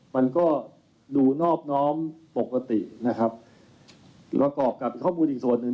มันก็ดูนอบน้อมปกตินะครับประกอบกับข้อมูลอีกส่วนหนึ่ง